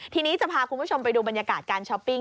ทีนี้จะพาคุณผู้ชมไปดูบรรยากาศการช้อปปิ้ง